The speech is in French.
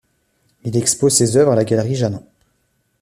Il expose ses œuvres à la galerie Janin.